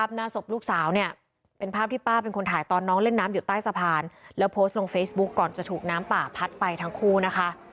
พึ่งน้ำอยู่ใต้สะพานแล้วโพสต์ลงเฟซบุ๊กก่อนจะถูกน้ำป่าพัดไปทั้งครูนะคะ